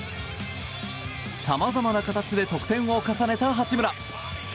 さまざまな形で得点を重ねた八村。